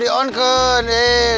dihonkan gua dihonkan